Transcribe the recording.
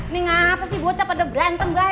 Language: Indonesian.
nih ngapasih bocah pada berantem ga